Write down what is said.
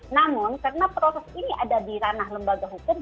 namun karena proses ini ada di ranah lembaga hukum